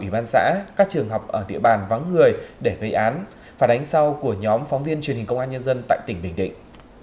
ủy ban xã các trường học ở địa bàn vắng người để gây án phản ánh sau của nhóm phóng viên truyền hình công an nhân dân tại tỉnh bình định